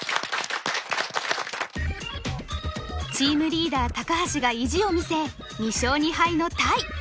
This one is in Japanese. チームリーダー高橋が意地を見せ２勝２敗のタイ。